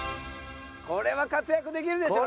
これは活躍できるでしょ。